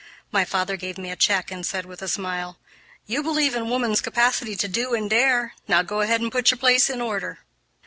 My father gave me a check and said, with a smile, "You believe in woman's capacity to do and dare; now go ahead and put your place in order."